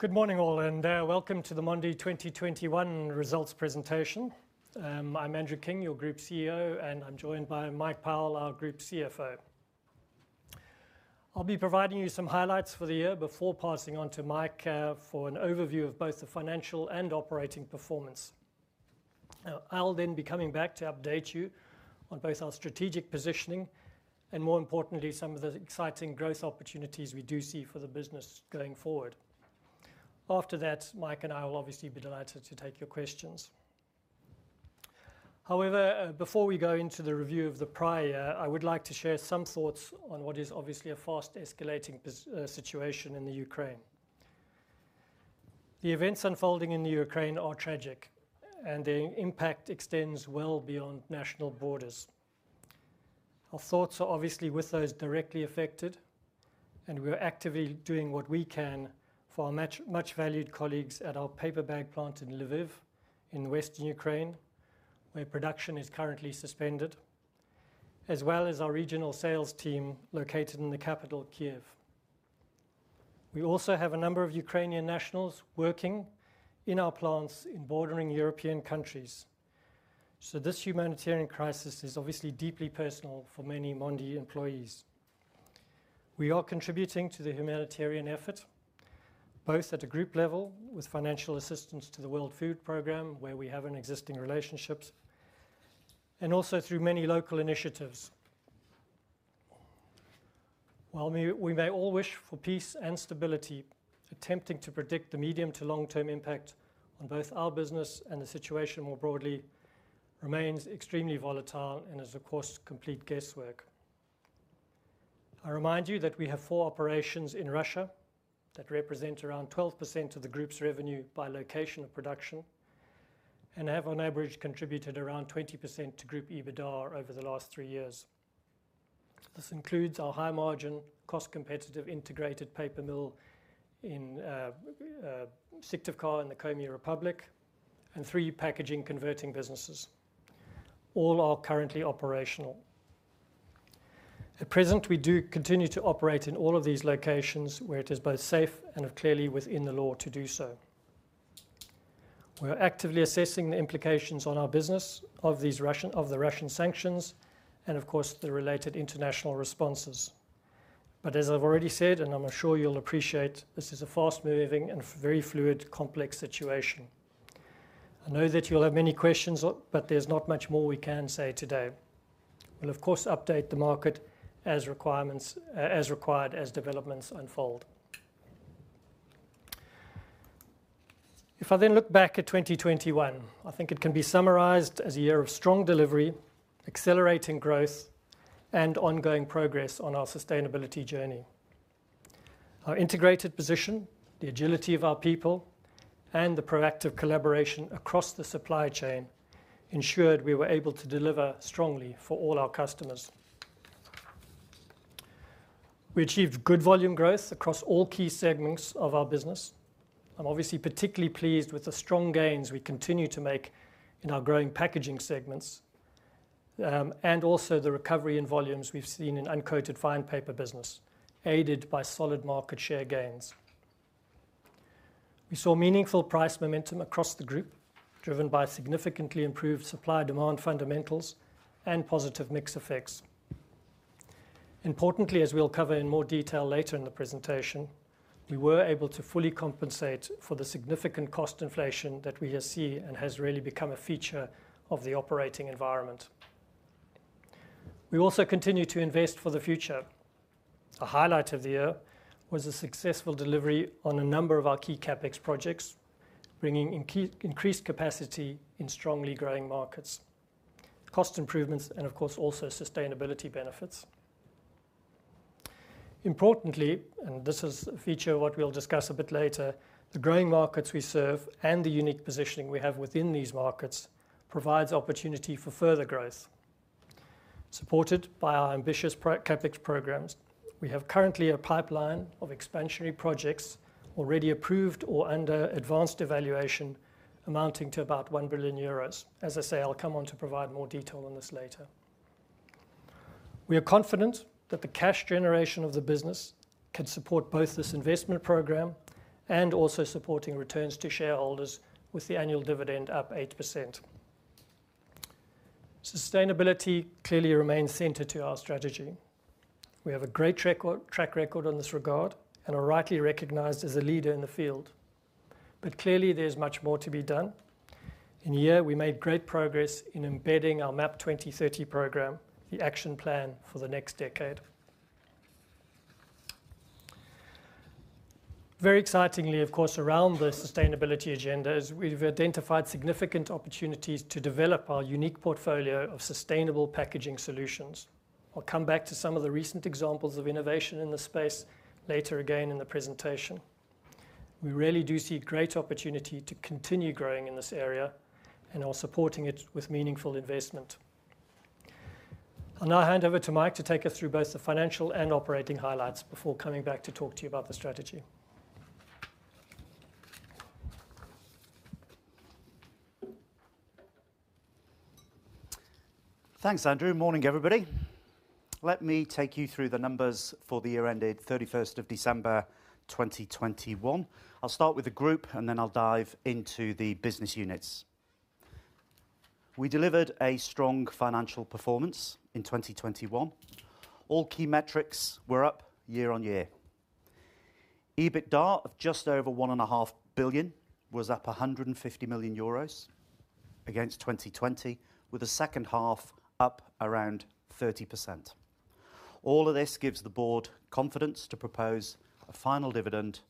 Good morning all, and welcome to the Mondi 2021 results presentation. I'm Andrew King, your Group CEO, and I'm joined by Mike Powell, our Group CFO. I'll be providing you some highlights for the year before passing on to Mike for an overview of both the financial and operating performance. Now, I'll then be coming back to update you on both our strategic positioning and, more importantly, some of the exciting growth opportunities we do see for the business going forward. After that, Mike and I will obviously be delighted to take your questions. However, before we go into the review of the prior year, I would like to share some thoughts on what is obviously a fast-escalating situation in the Ukraine. The events unfolding in the Ukraine are tragic, and the impact extends well beyond national borders. Our thoughts are obviously with those directly affected, and we are actively doing what we can for our much, much valued colleagues at our paper bag plant in Lviv in western Ukraine, where production is currently suspended, as well as our regional sales team located in the capital, Kyiv. We also have a number of Ukrainian nationals working in our plants in bordering European countries, so this humanitarian crisis is obviously deeply personal for many Mondi employees. We are contributing to the humanitarian effort, both at a group level with financial assistance to the World Food Programme, where we have an existing relationships, and also through many local initiatives. While we may all wish for peace and stability, attempting to predict the medium to long-term impact on both our business and the situation more broadly remains extremely volatile and is, of course, complete guesswork. I remind you that we have four operations in Russia that represent around 12% of the group's revenue by location of production and have on average contributed around 20% to group EBITDA over the last three years. This includes our high-margin, cost-competitive integrated paper mill in Syktyvkar in the Komi Republic and three packaging converting businesses. All are currently operational. At present, we do continue to operate in all of these locations where it is both safe and clearly within the law to do so. We're actively assessing the implications on our business of the Russian sanctions and, of course, the related international responses. As I've already said, and I'm sure you'll appreciate, this is a fast-moving and very fluid, complex situation. I know that you'll have many questions, but there's not much more we can say today. We'll of course update the market as required as developments unfold. If I then look back at 2021, I think it can be summarized as a year of strong delivery, accelerating growth, and ongoing progress on our sustainability journey. Our integrated position, the agility of our people, and the proactive collaboration across the supply chain ensured we were able to deliver strongly for all our customers. We achieved good volume growth across all key segments of our business. I'm obviously particularly pleased with the strong gains we continue to make in our growing packaging segments, and also the recovery in volumes we've seen in Uncoated Fine Paper business, aided by solid market share gains. We saw meaningful price momentum across the group, driven by significantly improved supply-demand fundamentals and positive mix effects. Importantly, as we'll cover in more detail later in the presentation, we were able to fully compensate for the significant cost inflation that we see and has really become a feature of the operating environment. We also continue to invest for the future. A highlight of the year was the successful delivery on a number of our key CapEx projects, bringing increased capacity in strongly growing markets, cost improvements, and of course, also sustainability benefits. Importantly, and this is a feature that we'll discuss a bit later, the growing markets we serve and the unique positioning we have within these markets provides opportunity for further growth. Supported by our ambitious pro CapEx programs, we have currently a pipeline of expansionary projects already approved or under advanced evaluation amounting to about 1 billion euros. As I say, I'll come on to provide more detail on this later. We are confident that the cash generation of the business can support both this investment program and also supporting returns to shareholders with the annual dividend up 8%. Sustainability clearly remains center to our strategy. We have a great track record on this regard and are rightly recognized as a leader in the field. Clearly, there's much more to be done. In a year, we made great progress in embedding our MAP 2030 program, the action plan for the next decade. Very excitingly, of course, around the sustainability agenda is we've identified significant opportunities to develop our unique portfolio of sustainable packaging solutions. I'll come back to some of the recent examples of innovation in this space later again in the presentation. We really do see great opportunity to continue growing in this area and are supporting it with meaningful investment. I'll now hand over to Mike to take us through both the financial and operating highlights before coming back to talk to you about the strategy. Thanks, Andrew. Morning, everybody. Let me take you through the numbers for the year ended 31st of December, 2021. I'll start with the group and then I'll dive into the business units. We delivered a strong financial performance in 2021. All key metrics were up year-over-year. EBITDA of just over 1.5 billion was up 150 million euros against 2020, with the second half up around 30%. All of this gives the board confidence to propose a final dividend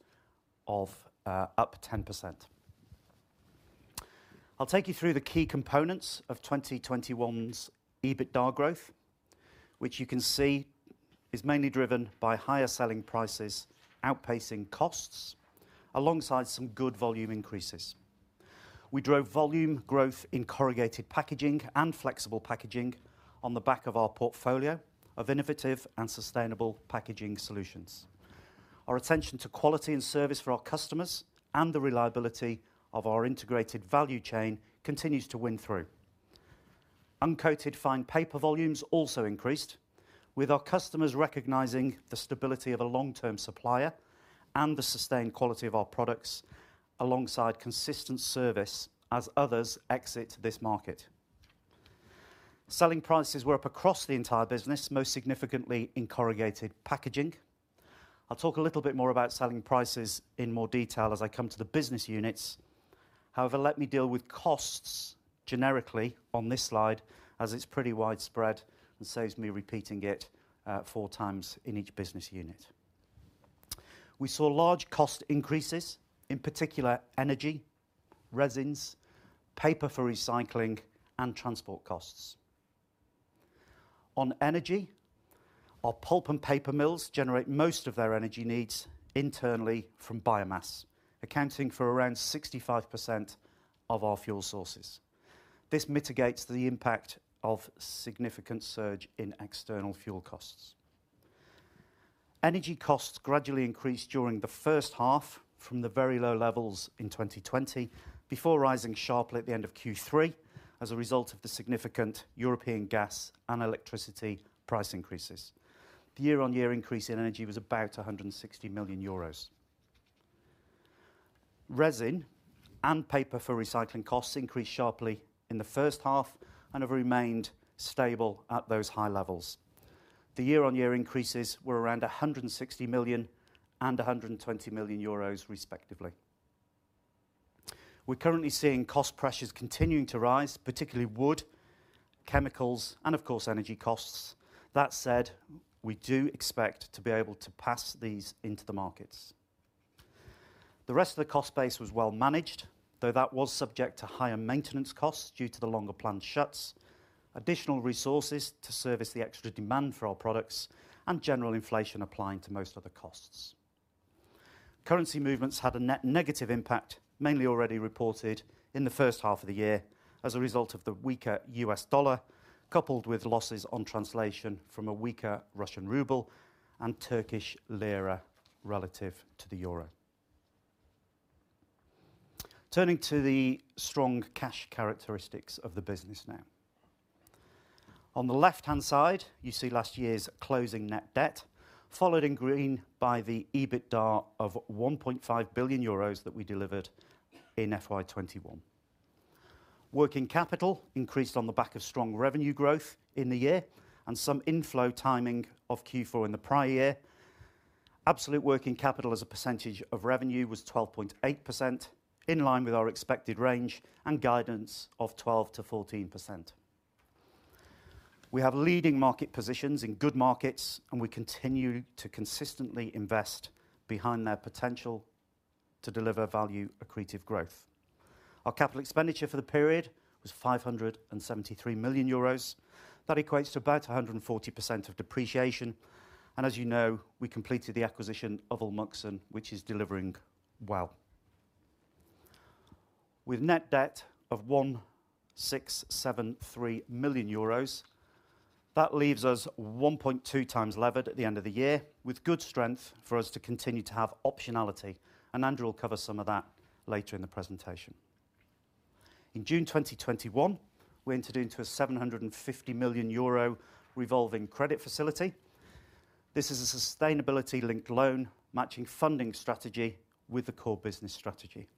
of up 10%. I'll take you through the key components of 2021's EBITDA growth, which you can see is mainly driven by higher selling prices outpacing costs alongside some good volume increases. We drove volume growth in corrugated packaging and flexible packaging on the back of our portfolio of innovative and sustainable packaging solutions. Our attention to quality and service for our customers and the reliability of our integrated value chain continues to win through. Uncoated Fine Paper volumes also increased with our customers recognizing the stability of a long-term supplier and the sustained quality of our products alongside consistent service as others exit this market. Selling prices were up across the entire business, most significantly in Corrugated Packaging. I'll talk a little bit more about selling prices in more detail as I come to the business units. However, let me deal with costs generically on this slide, as it's pretty widespread and saves me repeating it four times in each business unit. We saw large cost increases, in particular energy, resins, paper for recycling and transport costs. On energy, our pulp and paper mills generate most of their energy needs internally from biomass, accounting for around 65% of our fuel sources. This mitigates the impact of significant surge in external fuel costs. Energy costs gradually increased during the first half from the very low levels in 2020, before rising sharply at the end of Q3 as a result of the significant European gas and electricity price increases. The year-on-year increase in energy was about 160 million euros. Resin and paper for recycling costs increased sharply in the first half and have remained stable at those high levels. The year-on-year increases were around 160 million and 120 million euros, respectively. We're currently seeing cost pressures continuing to rise, particularly wood, chemicals and of course energy costs. That said, we do expect to be able to pass these into the markets. The rest of the cost base was well managed, though that was subject to higher maintenance costs due to the longer planned shuts, additional resources to service the extra demand for our products and general inflation applying to most other costs. Currency movements had a net negative impact, mainly already reported in the first half of the year as a result of the weaker U.S. dollar, coupled with losses on translation from a weaker Russian ruble and Turkish lira relative to the euro. Turning to the strong cash characteristics of the business now. On the left-hand side, you see last year's closing net debt, followed in green by the EBITDA of 1.5 billion euros that we delivered in FY 2021. Working capital increased on the back of strong revenue growth in the year and some inflow timing of Q4 in the prior year. Absolute working capital as a percentage of revenue was 12.8%, in line with our expected range and guidance of 12%-14%. We have leading market positions in good markets, and we continue to consistently invest behind their potential to deliver value accretive growth. Our capital expenditure for the period was 573 million euros. That equates to about 140% of depreciation. As you know, we completed the acquisition of Olmuksan, which is delivering well. With net debt of 1,673 million euros, that leaves us 1.2x levered at the end of the year with good strength for us to continue to have optionality and Andrew will cover some of that later in the presentation. In June 2021, we entered into a 750 million euro revolving credit facility. This is a sustainability linked loan matching funding strategy with the core business strategy.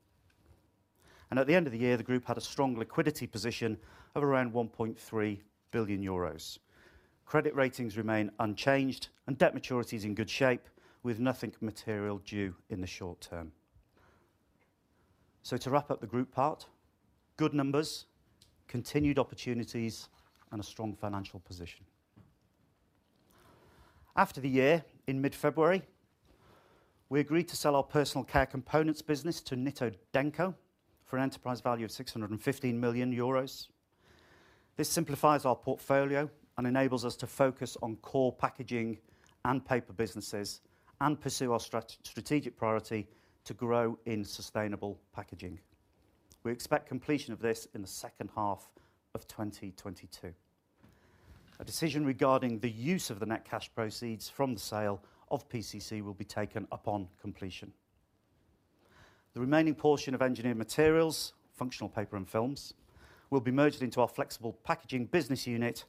At the end of the year, the group had a strong liquidity position of around 1.3 billion euros. Credit ratings remain unchanged and debt maturities in good shape with nothing material due in the short term. To wrap up the group part, good numbers, continued opportunities and a strong financial position. After the year, in mid-February, we agreed to sell our personal care components business to Nitto Denko for an enterprise value of 615 million euros. This simplifies our portfolio and enables us to focus on core packaging and paper businesses and pursue our strategic priority to grow in sustainable packaging. We expect completion of this in the second half of 2022. A decision regarding the use of the net cash proceeds from the sale of PCC will be taken upon completion. The remaining portion of engineered materials, functional paper and films, will be merged into our flexible packaging business unit,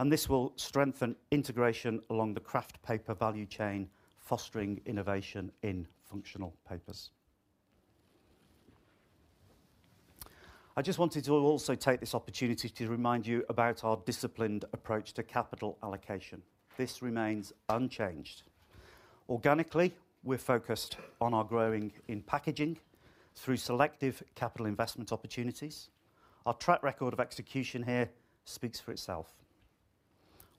and this will strengthen integration along the Kraft paper value chain, fostering innovation in functional papers. I just wanted to also take this opportunity to remind you about our disciplined approach to capital allocation. This remains unchanged. Organically, we're focused on our growth in packaging through selective capital investment opportunities. Our track record of execution here speaks for itself.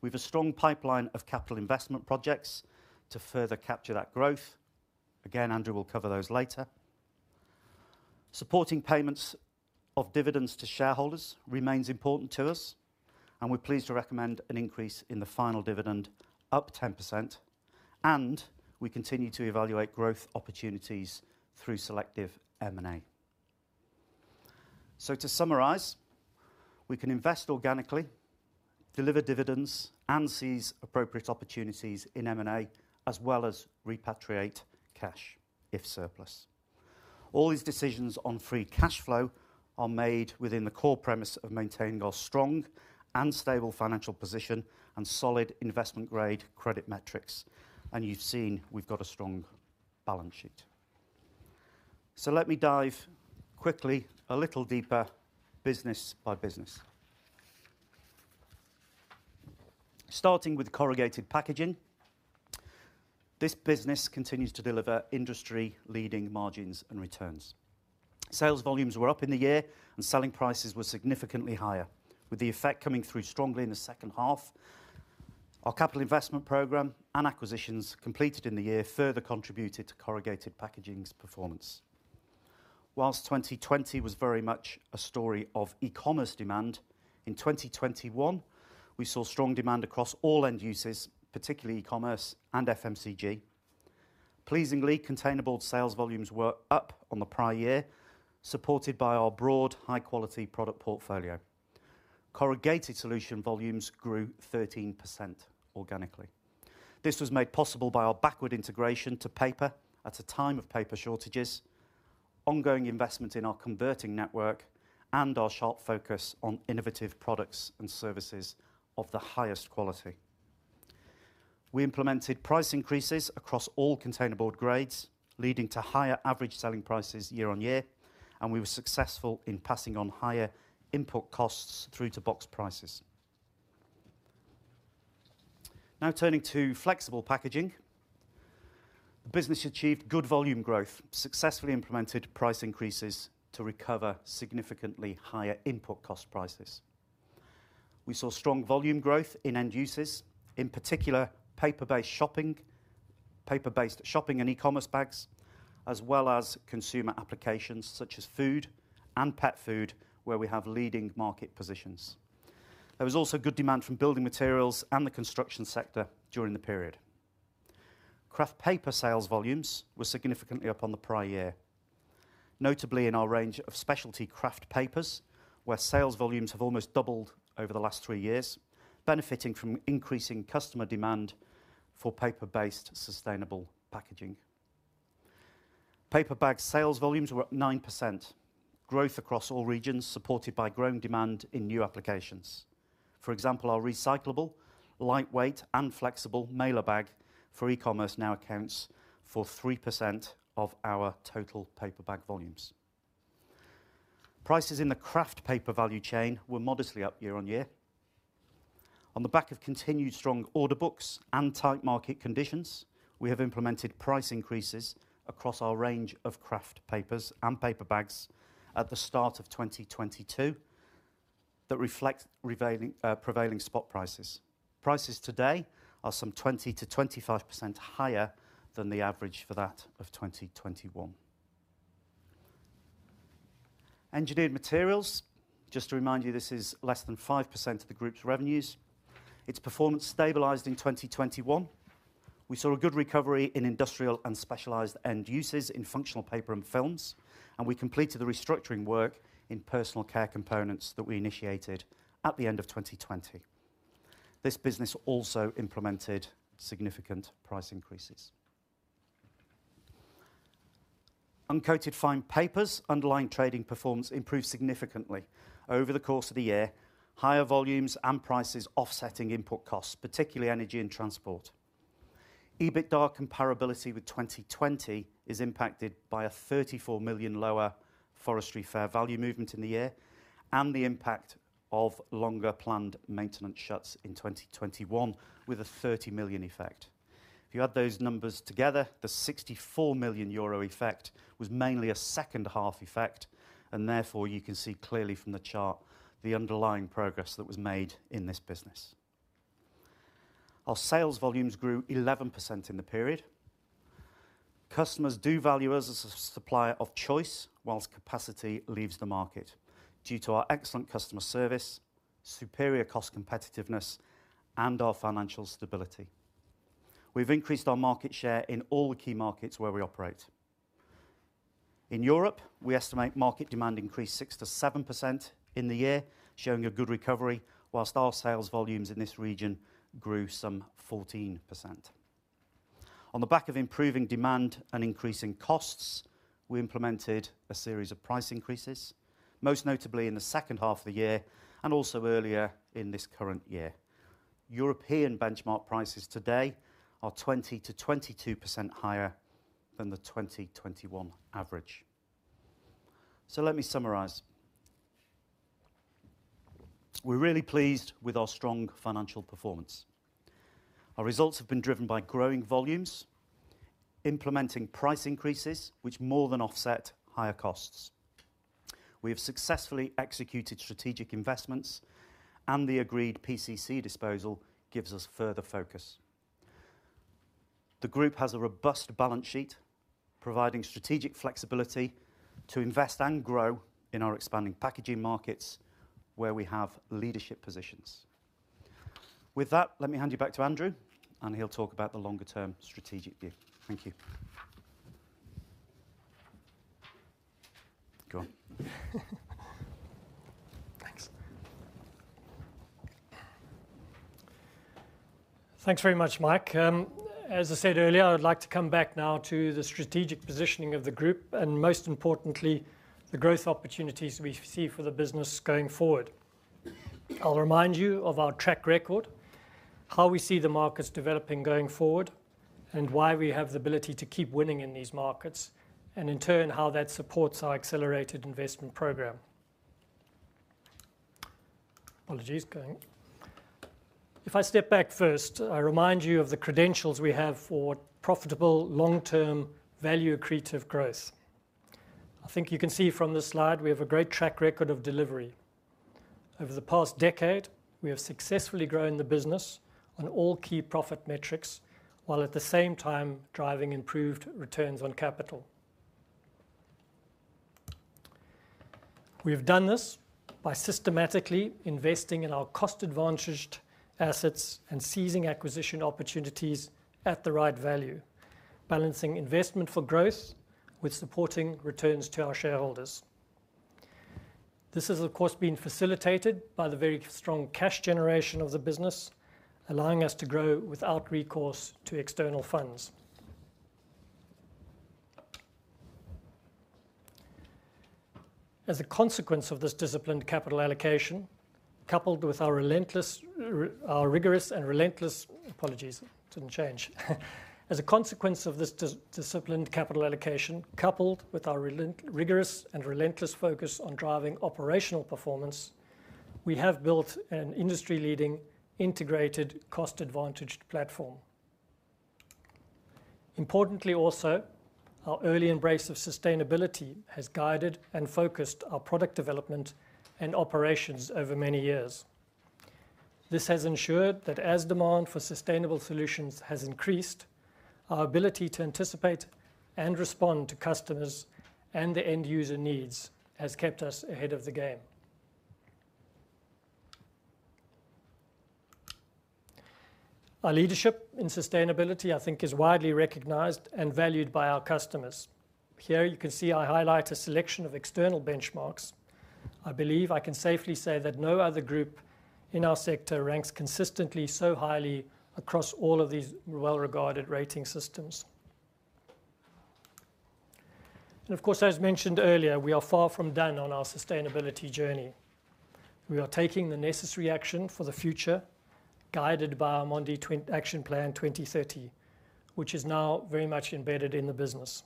We've a strong pipeline of capital investment projects to further capture that growth. Again, Andrew will cover those later. Supporting payments of dividends to shareholders remains important to us, and we're pleased to recommend an increase in the final dividend up 10%, and we continue to evaluate growth opportunities through selective M&A. To summarize, we can invest organically, deliver dividends, and seize appropriate opportunities in M&A, as well as repatriate cash if surplus. All these decisions on free cash flow are made within the core premise of maintaining our strong and stable financial position and solid investment grade credit metrics. You've seen we've got a strong balance sheet. Let me dive quickly a little deeper business by business. Starting with Corrugated Packaging. This business continues to deliver industry leading margins and returns. Sales volumes were up in the year and selling prices were significantly higher, with the effect coming through strongly in the second half. Our capital investment program and acquisitions completed in the year further contributed to Corrugated Packaging's performance. While 2020 was very much a story of e-commerce demand, in 2021, we saw strong demand across all end uses, particularly e-commerce and FMCG. Pleasingly, containerboard sales volumes were up on the prior year, supported by our broad high-quality product portfolio. Corrugated solutions volumes grew 13% organically. This was made possible by our backward integration to paper at a time of paper shortages, ongoing investment in our converting network, and our sharp focus on innovative products and services of the highest quality. We implemented price increases across all containerboard grades, leading to higher average selling prices year on year, and we were successful in passing on higher input costs through to box prices. Now turning to Flexible Packaging. The business achieved good volume growth, successfully implemented price increases to recover significantly higher input cost prices. We saw strong volume growth in end uses, in particular paper-based shopping and e-commerce bags, as well as consumer applications such as food and pet food, where we have leading market positions. There was also good demand from building materials and the construction sector during the period. Kraft paper sales volumes were significantly up on the prior year, notably in our range of specialty Kraft papers, where sales volumes have almost doubled over the last three years, benefiting from increasing customer demand for paper-based sustainable packaging. Paper bag sales volumes were up 9%. Growth across all regions, supported by growing demand in new applications. For example, our recyclable, lightweight, and flexible mailer bag for e-commerce now accounts for 3% of our total paper bag volumes. Prices in the Kraft paper value chain were modestly up year on year. On the back of continued strong order books and tight market conditions, we have implemented price increases across our range of Kraft papers and paper bags at the start of 2022 that reflect prevailing spot prices. Prices today are some 20%-25% higher than the average for that of 2021. Engineered Materials. Just to remind you, this is less than 5% of the group's revenues. Its performance stabilized in 2021. We saw a good recovery in industrial and specialized end uses in functional paper and films, and we completed the restructuring work in personal care components that we initiated at the end of 2020. This business also implemented significant price increases. Uncoated Fine Papers. Underlying trading performance improved significantly over the course of the year, higher volumes and prices offsetting input costs, particularly energy and transport. EBITDA comparability with 2020 is impacted by a 34 million lower forestry fair value movement in the year and the impact of longer planned maintenance shuts in 2021 with a 30 million effect. If you add those numbers together, the 64 million euro effect was mainly a second half effect and therefore you can see clearly from the chart the underlying progress that was made in this business. Our sales volumes grew 11% in the period. Customers do value us as a supplier of choice while capacity leaves the market due to our excellent customer service, superior cost competitiveness, and our financial stability. We've increased our market share in all the key markets where we operate. In Europe, we estimate market demand increased 6%-7% in the year, showing a good recovery while our sales volumes in this region grew some 14%. On the back of improving demand and increasing costs, we implemented a series of price increases, most notably in the second half of the year and also earlier in this current year. European benchmark prices today are 20%-22% higher than the 2021 average. Let me summarize. We're really pleased with our strong financial performance. Our results have been driven by growing volumes, implementing price increases which more than offset higher costs. We have successfully executed strategic investments, and the agreed PCC disposal gives us further focus. The group has a robust balance sheet, providing strategic flexibility to invest and grow in our expanding packaging markets where we have leadership positions. With that, let me hand you back to Andrew, and he'll talk about the longer-term strategic view. Thank you. Go on. Thanks. Thanks very much, Mike. As I said earlier, I would like to come back now to the strategic positioning of the group and most importantly, the growth opportunities we see for the business going forward. I'll remind you of our track record, how we see the markets developing going forward, and why we have the ability to keep winning in these markets, and in turn, how that supports our accelerated investment program. If I step back first, I remind you of the credentials we have for profitable long-term value accretive growth. I think you can see from this slide we have a great track record of delivery. Over the past decade, we have successfully grown the business on all key profit metrics, while at the same time, driving improved returns on capital. We have done this by systematically investing in our cost-advantaged assets and seizing acquisition opportunities at the right value, balancing investment for growth with supporting returns to our shareholders. This has, of course, been facilitated by the very strong cash generation of the business, allowing us to grow without recourse to external funds. As a consequence of this disciplined capital allocation, coupled with our rigorous and relentless focus on driving operational performance, we have built an industry-leading integrated cost-advantaged platform. Importantly also, our early embrace of sustainability has guided and focused our product development and operations over many years. This has ensured that as demand for sustainable solutions has increased, our ability to anticipate and respond to customers and the end-user needs has kept us ahead of the game. Our leadership in sustainability, I think, is widely recognized and valued by our customers. Here you can see I highlight a selection of external benchmarks. I believe I can safely say that no other group in our sector ranks consistently so highly across all of these well-regarded rating systems. Of course, as mentioned earlier, we are far from done on our sustainability journey. We are taking the necessary action for the future, guided by our Mondi Action Plan 2030, which is now very much embedded in the business.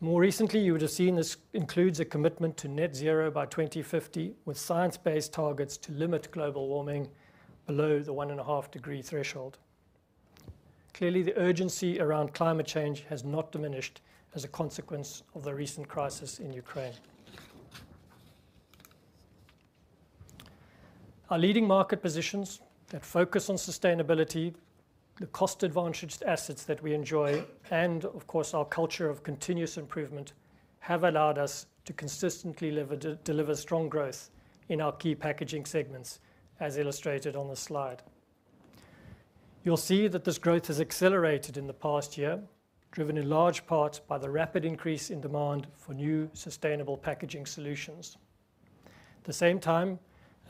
More recently, you would have seen this includes a commitment to net zero by 2050, with science-based targets to limit global warming below the 1.5-degree threshold. Clearly, the urgency around climate change has not diminished as a consequence of the recent crisis in Ukraine. Our leading market positions that focus on sustainability, the cost-advantaged assets that we enjoy, and of course, our culture of continuous improvement have allowed us to consistently deliver strong growth in our key packaging segments, as illustrated on this slide. You'll see that this growth has accelerated in the past year, driven in large part by the rapid increase in demand for new sustainable packaging solutions. At the same time,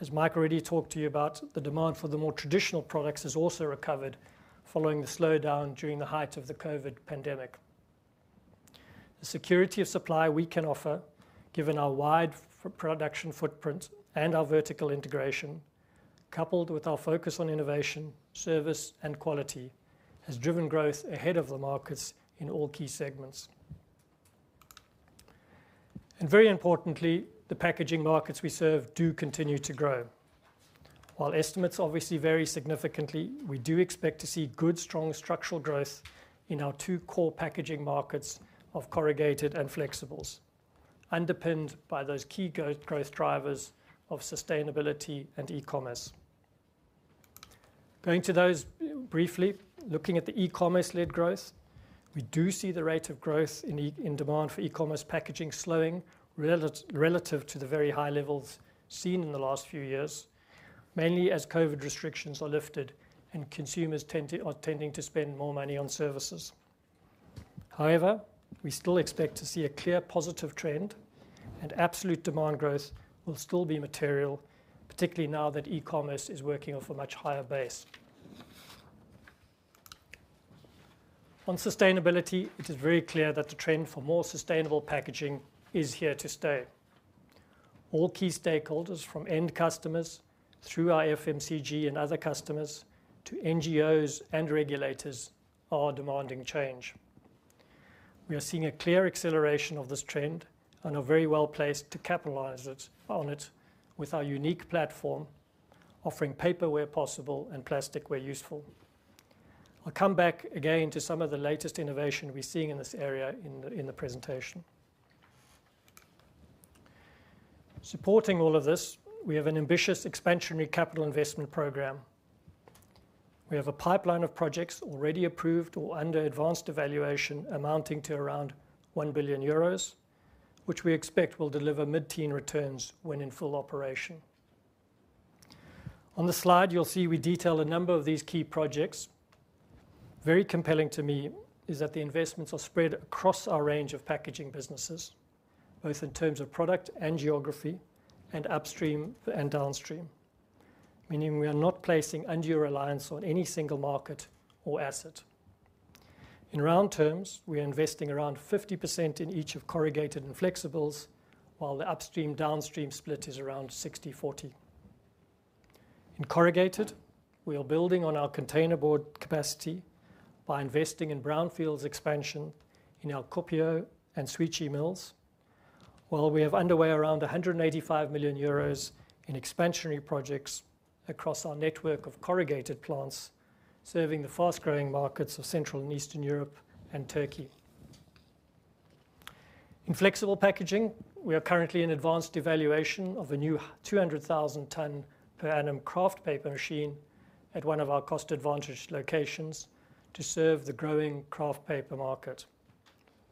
as Mike already talked to you about, the demand for the more traditional products has also recovered following the slowdown during the height of the COVID pandemic. The security of supply we can offer, given our wide production footprint and our vertical integration, coupled with our focus on innovation, service, and quality, has driven growth ahead of the markets in all key segments. Very importantly, the packaging markets we serve do continue to grow. While estimates obviously vary significantly, we do expect to see good, strong structural growth in our two core packaging markets of corrugated and flexibles, underpinned by those key go-growth drivers of sustainability and e-commerce. Going to those briefly. Looking at the e-commerce-led growth, we do see the rate of growth in demand for e-commerce packaging slowing relative to the very high levels seen in the last few years, mainly as COVID restrictions are lifted and consumers are tending to spend more money on services. However, we still expect to see a clear positive trend, and absolute demand growth will still be material, particularly now that e-commerce is working off a much higher base. On sustainability, it is very clear that the trend for more sustainable packaging is here to stay. All key stakeholders, from end customers through our FMCG and other customers to NGOs and regulators, are demanding change. We are seeing a clear acceleration of this trend and are very well placed to capitalize on it with our unique platform, offering paper where possible and plastic where useful. I'll come back again to some of the latest innovation we're seeing in this area in the presentation. Supporting all of this, we have an ambitious expansionary capital investment program. We have a pipeline of projects already approved or under advanced evaluation amounting to around 1 billion euros, which we expect will deliver mid-teen returns when in full operation. On the slide, you'll see we detail a number of these key projects. Very compelling to me is that the investments are spread across our range of packaging businesses, both in terms of product and geography and upstream and downstream, meaning we are not placing undue reliance on any single market or asset. In round terms, we are investing around 50% in each of corrugated and flexibles, while the upstream/downstream split is around 60/40. In corrugated, we are building on our containerboard capacity by investing in brownfields expansion in our Kuopio and Świecie mills, while we have underway around 185 million euros in expansionary projects across our network of corrugated plants, serving the fast-growing markets of Central and Eastern Europe and Turkey. In flexible packaging, we are currently in advanced evaluation of a new 200,000 ton per annum Kraft paper machine at one of our cost-advantaged locations to serve the growing Kraft paper market.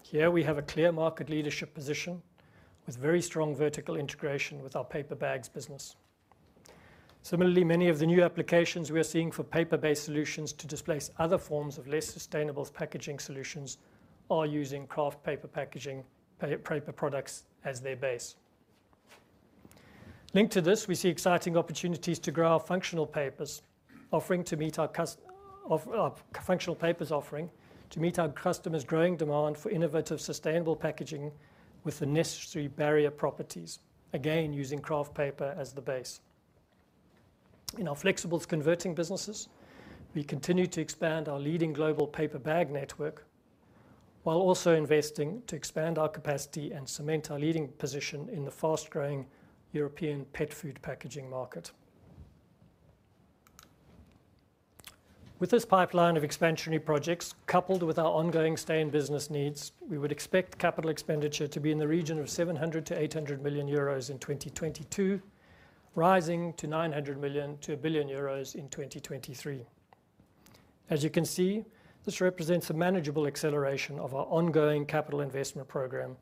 Here we have a clear market leadership position with very strong vertical integration with our paper bags business. Similarly, many of the new applications we are seeing for paper-based solutions to displace other forms of less sustainable packaging solutions are using Kraft paper packaging paper products as their base. Linked to this, we see exciting opportunities to grow our functional papers offering to meet our customers' growing demand for innovative, sustainable packaging with the necessary barrier properties, again, using Kraft paper as the base. In our flexibles converting businesses, we continue to expand our leading global paper bag network while also investing to expand our capacity and cement our leading position in the fast-growing European pet food packaging market. With this pipeline of expansionary projects, coupled with our ongoing stay in business needs, we would expect capital expenditure to be in the region of 700 million-800 million euros in 2022, rising to 900 million-1 billion euros in 2023. As you can see, this represents a manageable acceleration of our ongoing capital investment program,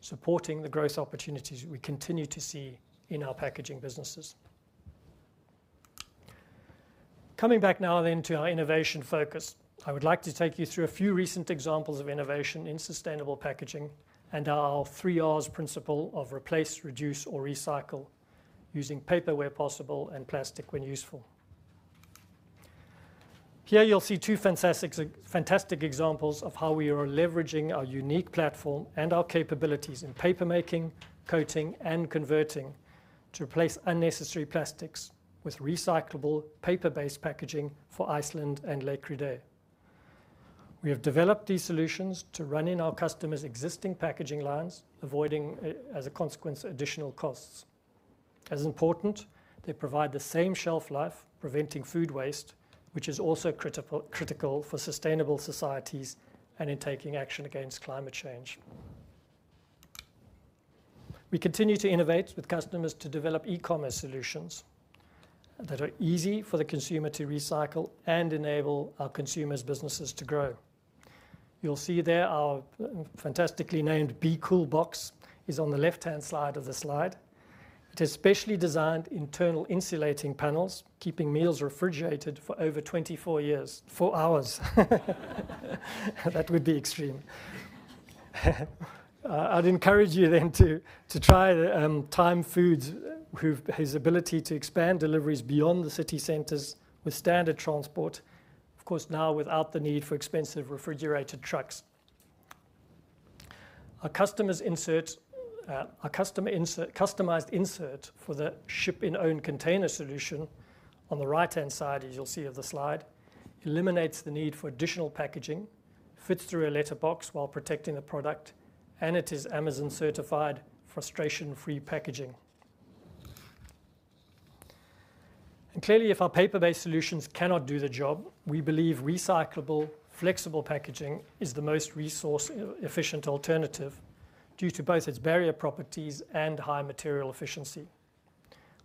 supporting the growth opportunities we continue to see in our packaging businesses. Coming back now then to our innovation focus, I would like to take you through a few recent examples of innovation in sustainable packaging and our three Rs principle of replace, reduce, or recycle using paper where possible and plastic when useful. Here you'll see two fantastic examples of how we are leveraging our unique platform and our capabilities in paper making, coating, and converting to replace unnecessary plastics with recyclable paper-based packaging for Iceland and Les Crudettes. We have developed these solutions to run in our customers' existing packaging lines, avoiding as a consequence additional costs. As important, they provide the same shelf life, preventing food waste, which is also critical for sustainable societies and in taking action against climate change. We continue to innovate with customers to develop e-commerce solutions that are easy for the consumer to recycle and enable our consumers' businesses to grow. You'll see there our fantastically named BCoolBox is on the left-hand side of the slide. It has specially designed internal insulating panels, keeping meals refrigerated for over 24 hours. That would be extreme. I'd encourage you then to try the thyme foods, whose ability to expand deliveries beyond the city centers with standard transport, of course, now without the need for expensive refrigerated trucks. Our customer insert—customized insert for the ship in own container solution on the right-hand side, as you'll see on the slide, eliminates the need for additional packaging, fits through a letterbox while protecting the product, and it is Amazon certified frustration-free packaging. Clearly, if our paper-based solutions cannot do the job, we believe recyclable, flexible packaging is the most resource-efficient alternative due to both its barrier properties and high material efficiency.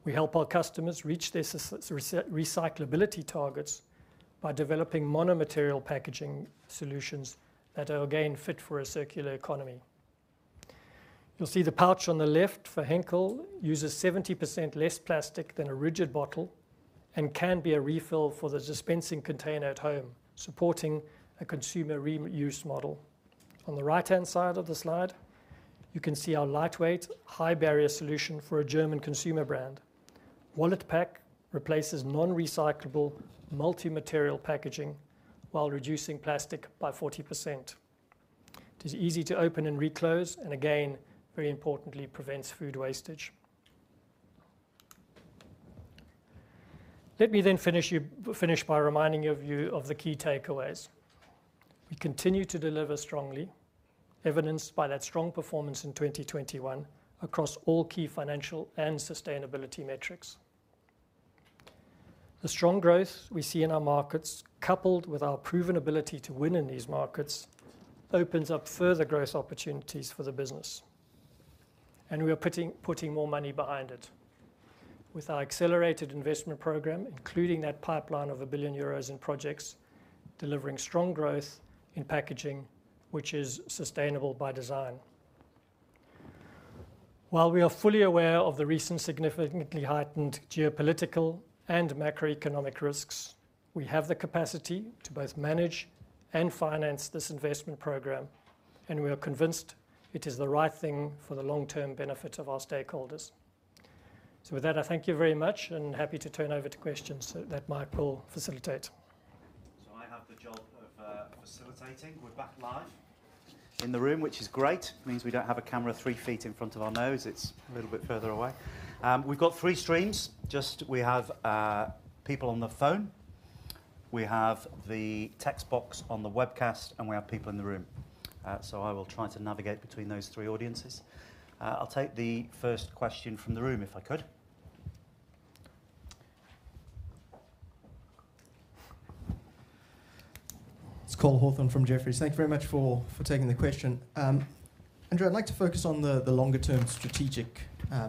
We help our customers reach their sustainability and recyclability targets by developing mono-material packaging solutions that are again fit for a circular economy. You'll see the pouch on the left for Henkel uses 70% less plastic than a rigid bottle and can be a refill for the dispensing container at home, supporting a consumer re-use model. On the right-hand side of the slide, you can see our lightweight high barrier solution for a German consumer brand. WalletPack replaces non-recyclable multi-material packaging while reducing plastic by 40%. It is easy to open and re-close and again, very importantly, prevents food wastage. Let me finish by reminding you of the key takeaways. We continue to deliver strongly, evidenced by that strong performance in 2021 across all key financial and sustainability metrics. The strong growth we see in our markets, coupled with our proven ability to win in these markets, opens up further growth opportunities for the business. We are putting more money behind it with our accelerated investment program, including that pipeline of 1 billion euros in projects, delivering strong growth in packaging, which is sustainable by design. While we are fully aware of the recent significantly heightened geopolitical and macroeconomic risks, we have the capacity to both manage and finance this investment program, and we are convinced it is the right thing for the long-term benefit of our stakeholders. With that, I thank you very much and happy to turn over to questions that Mike will facilitate. I have the job of facilitating. We're back live in the room, which is great. Means we don't have a camera three feet in front of our nose. It's a little bit further away. We've got three streams. Just we have people on the phone, we have the text box on the webcast, and we have people in the room. I will try to navigate between those three audiences. I'll take the first question from the room, if I could. It's Cole Hathorn from Jefferies. Thank you very much for taking the question. Andrew, I'd like to focus on the longer term strategic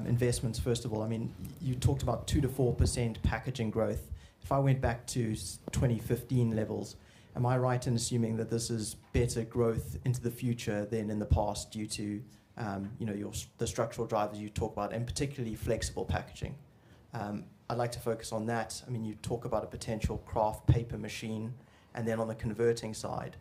investments first of all. I mean, you talked about 2%-4% packaging growth. If I went back to 2015 levels, am I right in assuming that this is better growth into the future than in the past due to, you know, the structural drivers you talk about, and particularly flexible packaging? I'd like to focus on that. I mean, you talk about a potential Kraft paper machine, and then on the converting side,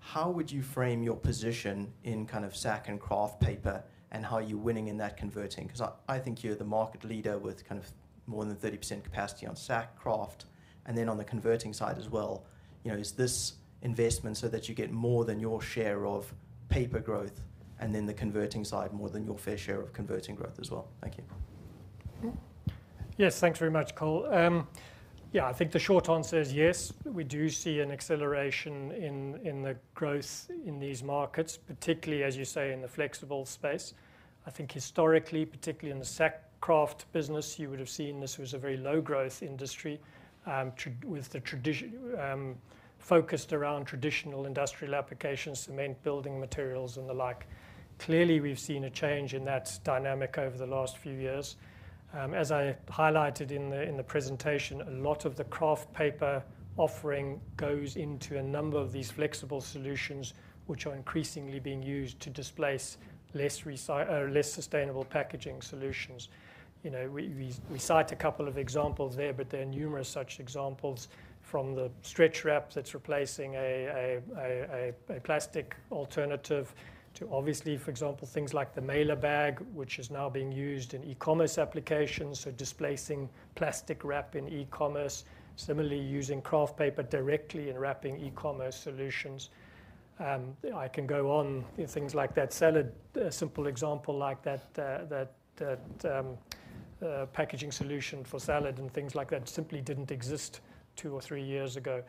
how would you frame your position in kind of sack and Kraft paper and how you're winning in that converting? I think you're the market leader with kind of more than 30% capacity on sack kraft, and then on the converting side as well. You know, is this investment so that you get more than your share of paper growth, and then the converting side more than your fair share of converting growth as well? Thank you. Yes. Thanks very much, Cole. Yeah, I think the short answer is yes, we do see an acceleration in the growth in these markets, particularly, as you say, in the flexible space. I think historically, particularly in the sack kraft business, you would've seen this was a very low growth industry, focused around traditional industrial applications, cement building materials, and the like. Clearly, we've seen a change in that dynamic over the last few years. As I highlighted in the presentation, a lot of the Kraft paper offering goes into a number of these flexible solutions, which are increasingly being used to displace less recyclable or less sustainable packaging solutions. You know, we cite a couple of examples there, but there are numerous such examples from the stretch wrap that's replacing a plastic alternative to obviously, for example, things like the MailerBAG, which is now being used in e-commerce applications, so displacing plastic wrap in e-commerce, similarly using Kraft paper directly in wrapping e-commerce solutions. I can go on with things like that salad, a simple example like that, packaging solution for salad and things like that simply didn't exist two or three years ago.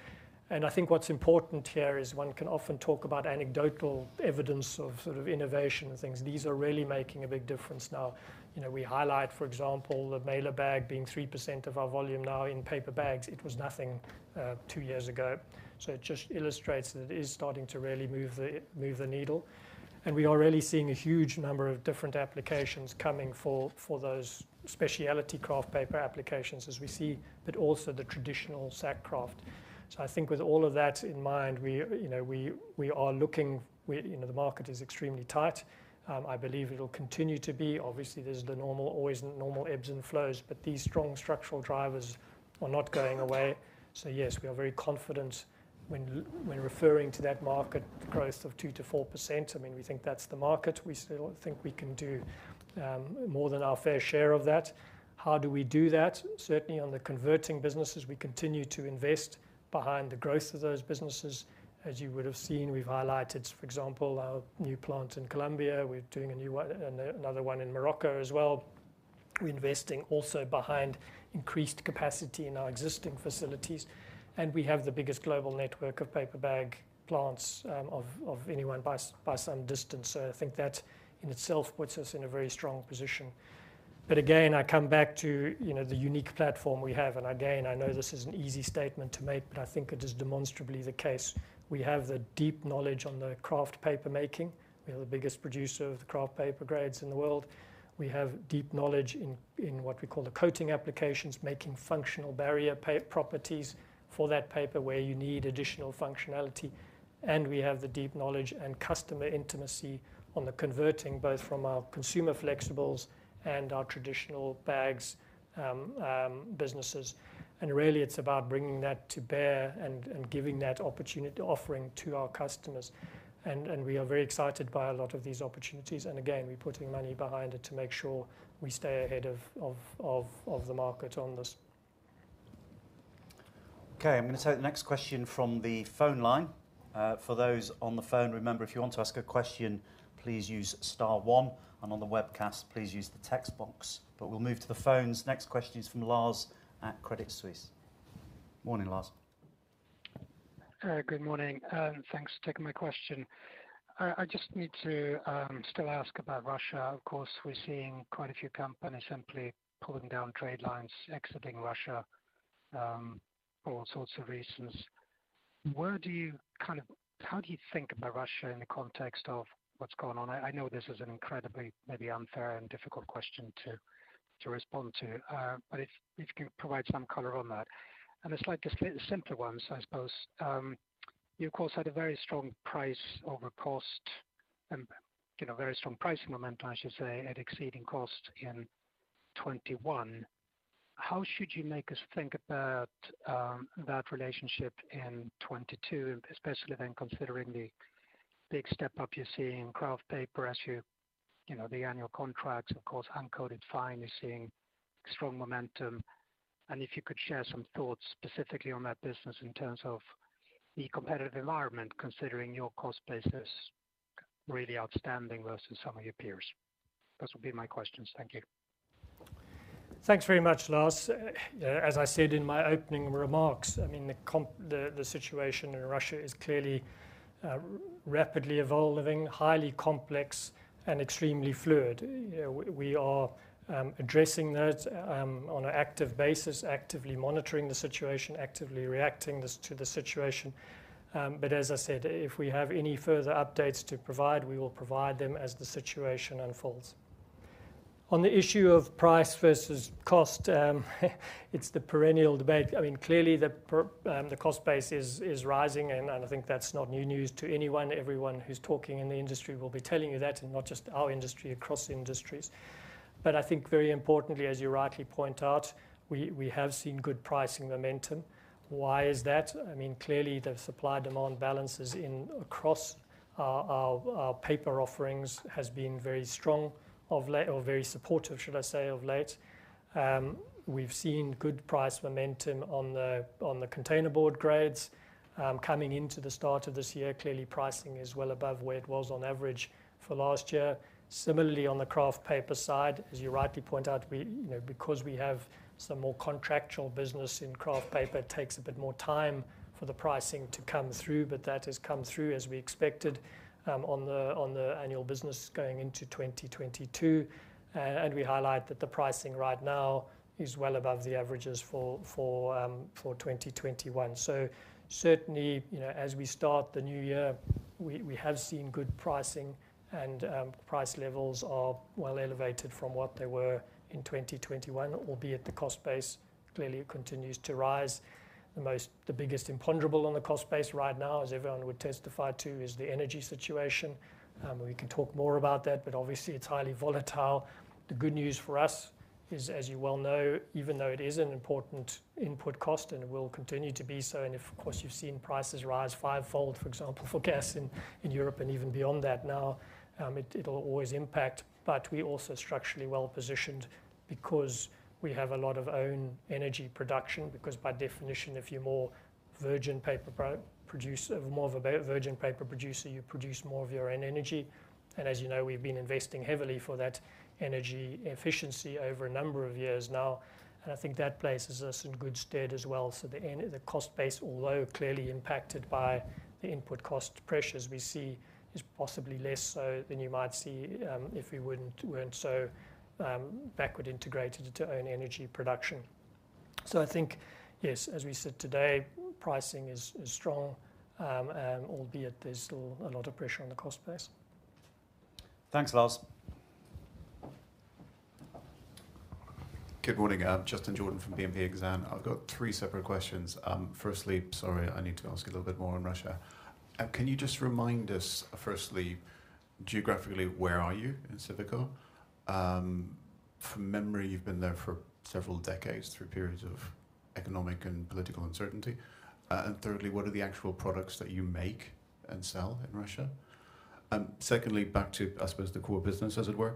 I think what's important here is one can often talk about anecdotal evidence of innovation and things. These are really making a big difference now. You know, we highlight, for example, the MailerBAG being 3% of our volume now in paper bags. It was nothing two years ago. It just illustrates that it is starting to really move the needle, and we are really seeing a huge number of different applications coming for those specialty Kraft paper applications as we see, but also the traditional sack kraft. I think with all of that in mind, we are looking. The market is extremely tight. I believe it'll continue to be. Obviously, there's the normal ebbs and flows, but these strong structural drivers are not going away. Yes, we are very confident when referring to that market growth of 2%-4%. I mean, we think that's the market. We still think we can do more than our fair share of that. How do we do that? Certainly on the converting businesses, we continue to invest behind the growth of those businesses. As you would've seen, we've highlighted, for example, our new plant in Colombia. We're doing a new one, another one in Morocco as well. We're investing also behind increased capacity in our existing facilities, and we have the biggest global network of paper bag plants, of anyone by some distance. I think that in itself puts us in a very strong position. Again, I come back to, you know, the unique platform we have, and again, I know this is an easy statement to make, but I think it is demonstrably the case. We have the deep knowledge on the Kraft paper making. We are the biggest producer of the Kraft paper grades in the world. We have deep knowledge in what we call the coating applications, making functional barrier properties for that paper where you need additional functionality. We have the deep knowledge and customer intimacy on the converting, both from our consumer flexibles and our traditional bags, businesses. Really, it's about bringing that to bear and giving that opportunity offering to our customers. We are very excited by a lot of these opportunities. Again, we're putting money behind it to make sure we stay ahead of the market on this. Okay, I'm gonna take the next question from the phone line. For those on the phone, remember, if you want to ask a question, please use star one, and on the webcast, please use the text box. We'll move to the phones. Next question is from Lars at Credit Suisse. Morning, Lars. Good morning, and thanks for taking my question. I just need to still ask about Russia. Of course, we're seeing quite a few companies simply pulling down trade lines, exiting Russia, for all sorts of reasons. How do you think about Russia in the context of what's gone on? I know this is an incredibly, maybe, unfair and difficult question to respond to. But if you can provide some color on that. A slightly simpler one, so I suppose. You of course had a very strong price over cost and, you know, very strong pricing momentum, I should say, exceeding cost in 2021. How should you make us think about that relationship in 2022, especially then considering the big step up you're seeing in Kraft paper as you know, the annual contracts, of course, Uncoated Fine is seeing strong momentum. If you could share some thoughts specifically on that business in terms of the competitive environment, considering your cost base is really outstanding versus some of your peers. Those would be my questions. Thank you. Thanks very much, Lars. As I said in my opening remarks, I mean, the situation in Russia is clearly rapidly evolving, highly complex and extremely fluid. You know, we are addressing that on an active basis, actively monitoring the situation, actively reacting to the situation. As I said, if we have any further updates to provide, we will provide them as the situation unfolds. On the issue of price versus cost, it's the perennial debate. I mean, clearly the cost base is rising and I think that's not new news to anyone. Everyone who's talking in the industry will be telling you that, and not just our industry, across industries. I think very importantly, as you rightly point out, we have seen good pricing momentum. Why is that? I mean, clearly the supply-demand balance across our paper offerings has been very strong of late or very supportive, should I say, of late. We've seen good price momentum on the containerboard grades coming into the start of this year. Clearly, pricing is well above where it was on average for last year. Similarly, on the Kraft paper side, as you rightly point out, you know, because we have some more contractual business in Kraft paper, it takes a bit more time for the pricing to come through, but that has come through as we expected on the annual business going into 2022. We highlight that the pricing right now is well above the averages for 2021. Certainly, you know, as we start the new year, we have seen good pricing and price levels are well elevated from what they were in 2021, albeit the cost base clearly continues to rise. The biggest imponderable on the cost base right now, as everyone would testify to, is the energy situation. We can talk more about that, but obviously it's highly volatile. The good news for us is, as you well know, even though it is an important input cost, and it will continue to be so, and if of course, you've seen prices rise fivefold, for example, for gas in Europe and even beyond that now, it'll always impact. We're also structurally well-positioned because we have a lot of own energy production, because by definition, if you're more virgin paper producer, you produce more of your own energy. As you know, we've been investing heavily for that energy efficiency over a number of years now, and I think that places us in good stead as well. The cost base, although clearly impacted by the input cost pressures we see, is possibly less so than you might see if we weren't so backward integrated to own energy production. I think, yes, as we sit today, pricing is strong, albeit there's still a lot of pressure on the cost base. Thanks, Lars. Good morning. I'm Justin Jordan from BNP Exane. I've got three separate questions. Firstly, sorry, I need to ask a little bit more on Russia. Can you just remind us, firstly, geographically, where are you in Syktyvkar? From memory, you've been there for several decades through periods of economic and political uncertainty. And thirdly, what are the actual products that you make and sell in Russia? Secondly, back to, I suppose, the core business, as it were.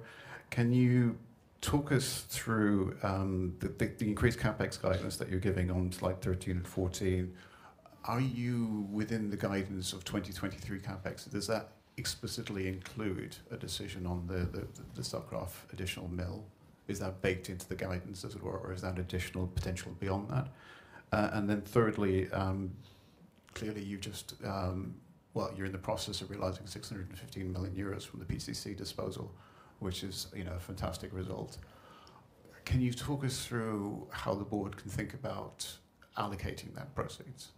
Can you talk us through the increased CapEx guidance that you're giving on slide 13 and 14? Are you within the guidance of 2023 CapEx? Does that explicitly include a decision on the sack kraft additional mill? Is that baked into the guidance, as it were, or is that additional potential beyond that? And then thirdly, clearly you just, well, you're in the process of realizing 615 million euros from the PCC disposal, which is, you know, a fantastic result. Can you talk us through how the board can think about allocating that proceeds?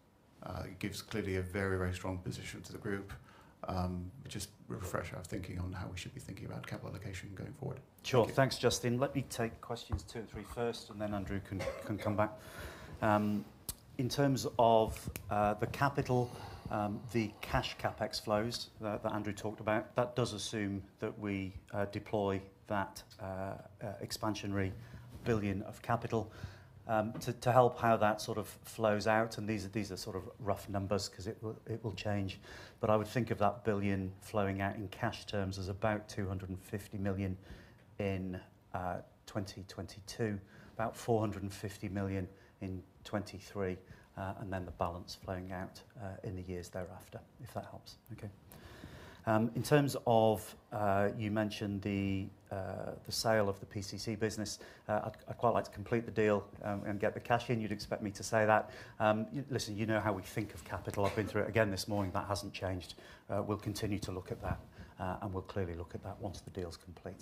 It gives clearly a very, very strong position to the group. Just a refresher of thinking on how we should be thinking about capital allocation going forward. Sure. Thank you. Thanks, Justin. Let me take questions 2 and 3 first, and then Andrew can come back. In terms of the cash CapEx flows that Andrew talked about, that does assume that we deploy that expansionary 1 billion of capital to help how that flows out, and these are rough numbers 'cause it will change. I would think of that 1 billion flowing out in cash terms as about 250 million in 2022, about 450 million in 2023, and then the balance flowing out in the years thereafter, if that helps. Okay. In terms of, you mentioned the sale of the PCC business. I'd quite like to complete the deal and get the cash in. You'd expect me to say that. You know how we think of capital. I've been through it again this morning. That hasn't changed. We'll continue to look at that, and we'll clearly look at that once the deal's complete.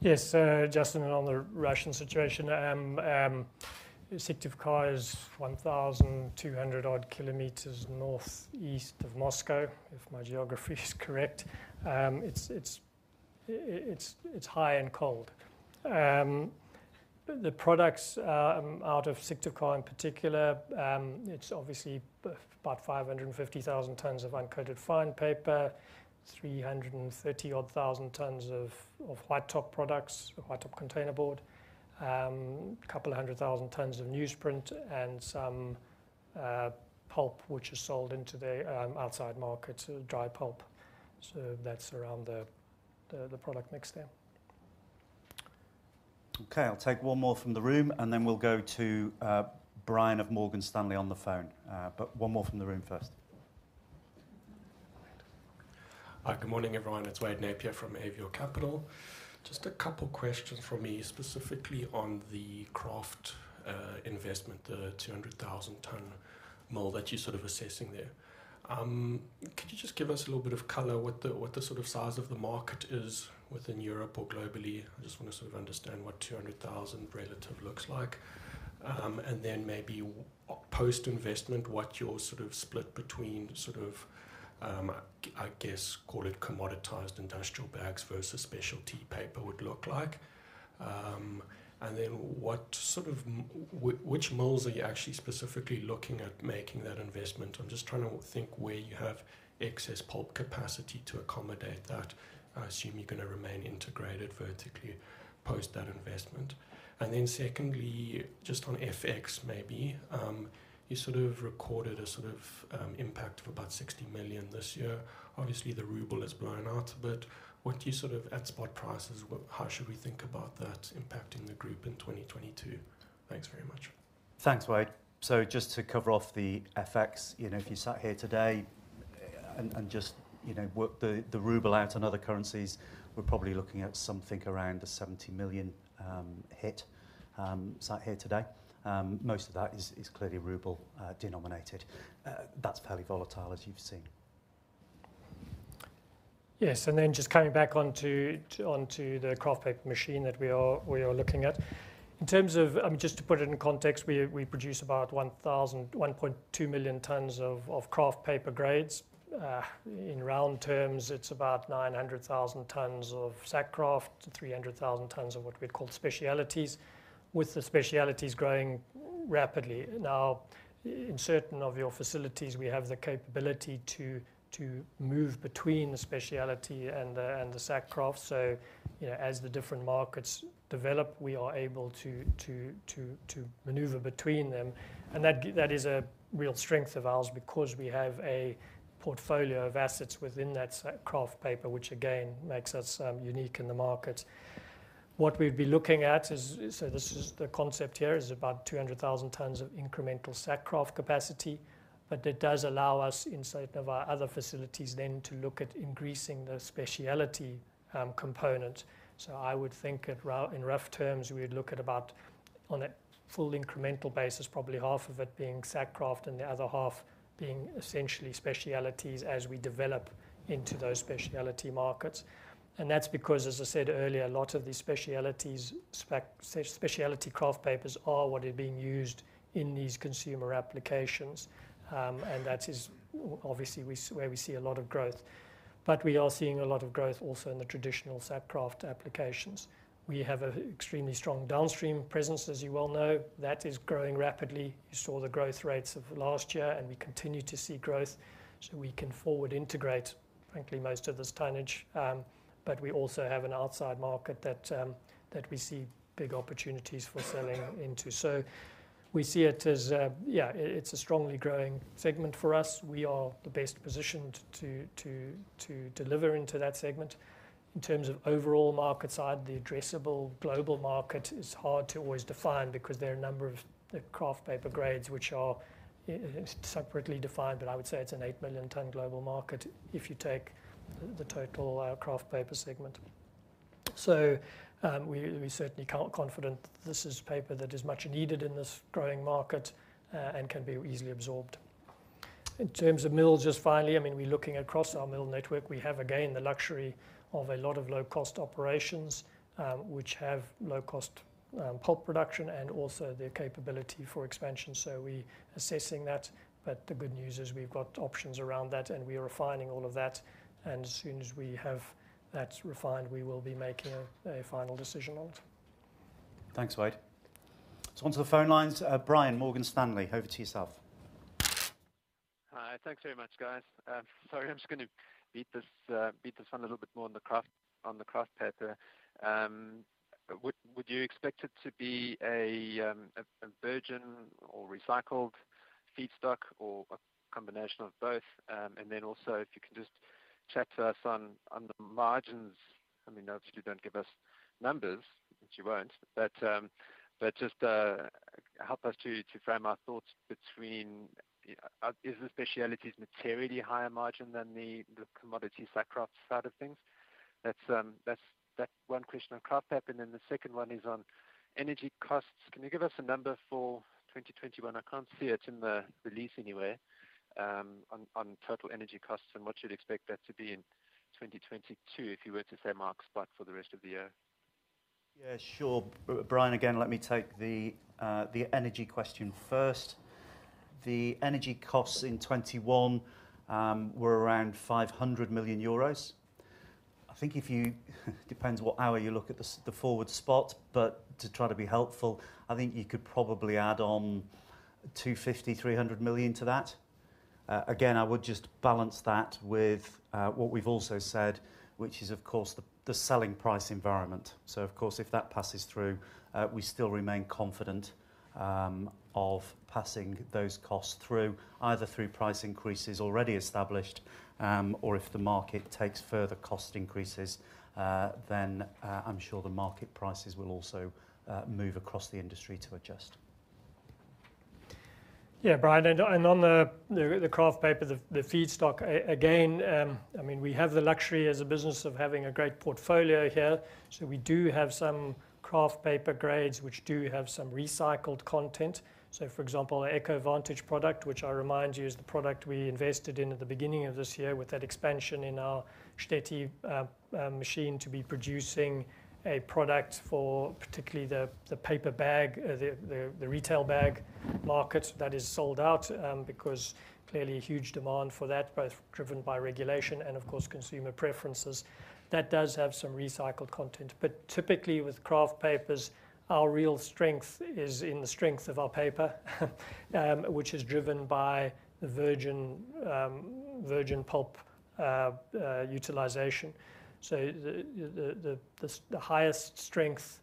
Yes. Justin, on the Russian situation, Syktyvkar is 1,200-odd kilometers northeast of Moscow, if my geography is correct. It's high and cold. The products out of Syktyvkar in particular, it's obviously about 550,000 tons of uncoated fine paper, 330-odd thousand tons of white-top products, white-top containerboard, a couple of hundred thousand tons of newsprint and some pulp which is sold into the outside market, dry pulp. That's around the product mix there. Okay. I'll take one more from the room, and then we'll go to Brian of Morgan Stanley on the phone. One more from the room first. Hi. Good morning, everyone. It's Wade Napier from Avior Capital. Just a couple questions from me, specifically on the kraft investment, the 200,000-ton mill that you're assessing there. Could you just give us a little bit of color on what the size of the market is within Europe or globally? I just wanna understand what 200,000 relative looks like. Then maybe post-investment, what your split between I guess call it commoditized industrial bags versus specialty paper would look like. Then which mills are you actually specifically looking at making that investment? I'm just trying to think where you have excess pulp capacity to accommodate that. I assume you're gonna remain integrated vertically post that investment. Secondly, just on FX maybe, you recorded a impact of about 60 million this year. Obviously, the ruble has blown out, but what do you at spot prices, how should we think about that impacting the group in 2022? Thanks very much. Thanks, Wade. Just to cover off the FX, you know, if you sat here today and just, you know, worked the ruble out and other currencies, we're probably looking at something around 70 million hit. Most of that is clearly ruble denominated. That's fairly volatile as you've seen. Yes. Then just coming back onto the Kraft paper machine that we are looking at. In terms of, just to put it in context, we produce about 1.2 million tons of Kraft paper grades. In round terms, it's about 900,000 tons of sack kraft to 300,000 tons of what we'd call specialties, with the specialties growing rapidly. Now, in certain of your facilities, we have the capability to move between the specialty and the sack kraft. You know, as the different markets develop, we are able to maneuver between them, and that is a real strength of ours because we have a portfolio of assets within that sack Kraft paper, which again makes us unique in the market. What we'd be looking at is this concept here, about 200,000 tons of incremental sack kraft capacity, but that does allow us inside of our other facilities then to look at increasing the specialty component. I would think in rough terms, we'd look at about, on a full incremental basis, probably half of it being sack kraft and the other half being essentially specialties as we develop into those specialty markets. That's because, as I said earlier, a lot of these specialties, specialist Kraft papers are what are being used in these consumer applications, and that is where obviously we see a lot of growth. We are seeing a lot of growth also in the traditional sack kraft applications. We have an extremely strong downstream presence, as you well know. That is growing rapidly. You saw the growth rates of last year, and we continue to see growth, so we can forward integrate, frankly, most of this tonnage. We also have an outside market that we see big opportunities for selling into. We see it as a strongly growing segment for us. We are the best positioned to deliver into that segment. In terms of overall market side, the addressable global market is hard to always define because there are a number of Kraft paper grades which are separately defined, but I would say it's an 8 million ton global market if you take the total Kraft paper segment. We certainly confident this is paper that is much needed in this growing market and can be easily absorbed. In terms of mills, just finally, I mean, we're looking across our mill network. We have, again, the luxury of a lot of low-cost operations, which have low-cost pulp production and also the capability for expansion. We assessing that. The good news is we've got options around that, and we are refining all of that, and as soon as we have that refined, we will be making a final decision on it. Thanks, Wade. On to the phone lines. Brian, Morgan Stanley, over to yourself. Hi. Thanks very much, guys. Sorry, I'm just gonna beat this one a little bit more on the Kraft paper. Would you expect it to be a virgin or recycled feedstock or a combination of both? And then also if you can just chat to us on the margins. I mean, obviously you don't give us numbers, which you won't, but just help us to frame our thoughts between, is the specialties materially higher margin than the commodity sack kraft side of things? That's one question on Kraft paper. The second one is on energy costs. Can you give us a number for 2021? I can't see it in the release anywhere, on total energy costs and what you'd expect that to be in 2022 if you were to stay market spot for the rest of the year. Yeah, sure. Brian, again, let me take the energy question first. The energy costs in 2021 were around 500 million euros. I think. Depends how you look at the forward spot, but to try to be helpful, I think you could probably add on 250 million-300 million to that. Again, I would just balance that with what we've also said, which is of course the selling price environment. Of course, if that passes through, we still remain confident of passing those costs through, either through price increases already established, or if the market takes further cost increases, then I'm sure the market prices will also move across the industry to adjust. Yeah, Brian, on the Kraft paper, the feedstock, again, I mean, we have the luxury as a business of having a great portfolio here, so we do have some Kraft paper grades which do have some recycled content. For example, our EcoVantage product, which I remind you is the product we invested in at the beginning of this year with that expansion in our Štětí machine to be producing a product for particularly the paper bag, the retail bag market that is sold out, because clearly a huge demand for that, both driven by regulation and of course consumer preferences. That does have some recycled content. Typically with Kraft papers, our real strength is in the strength of our paper, which is driven by virgin pulp utilization. The highest strength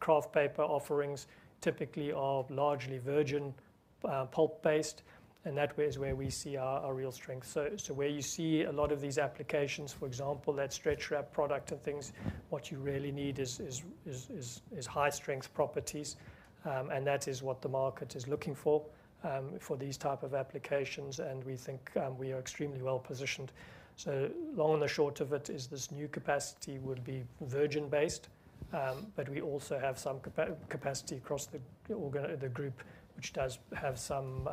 Kraft paper offerings typically are largely virgin pulp based, and that way is where we see our real strength. Where you see a lot of these applications, for example, that stretch wrap product and things, what you really need is high strength properties, and that is what the market is looking for these type of applications, and we think we are extremely well positioned. Long and the short of it is this new capacity would be virgin based, but we also have some capacity across the group, which does have some